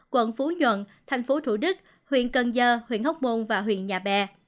quận phú nhuận tp thủ đức huyện cần giơ huyện hốc môn và huyện nhà bè